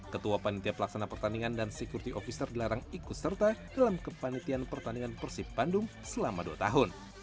ketua panitia pelaksana pertandingan dan security officer dilarang ikut serta dalam kepanitian pertandingan persib bandung selama dua tahun